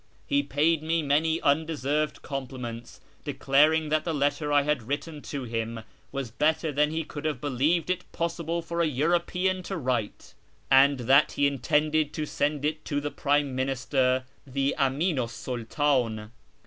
He paid me many undeserved compliments, declaring that the letter I had written to him was better than he could have believed it possible for a European to write, and that he intended to send it to the prime minister, the Aminu 's Sidtdn.